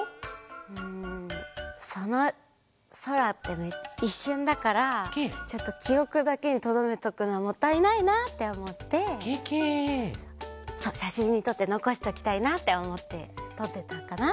そのそらっていっしゅんだからちょっときおくだけにとどめとくのはもったいないなっておもってしゃしんにとってのこしておきたいなっておもってとってたかな。